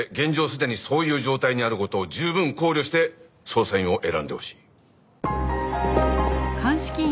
すでにそういう状態にある事を十分考慮して捜査員を選んでほしい。